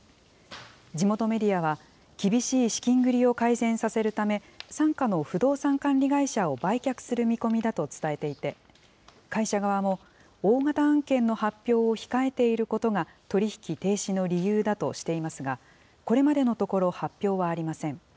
地元メディアは、厳しい資金繰りを改善させるため、傘下の不動産管理会社を売却する見込みだと伝えていて、会社側も、大型案件の発表を控えていることが、取り引き停止の理由だとしていますが、これまでのところ、発表はありません。